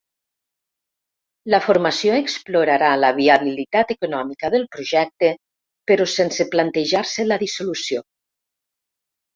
La formació explorarà la viabilitat econòmica del projecte, però sense plantejar-se la dissolució.